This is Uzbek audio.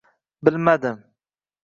Bilmadim...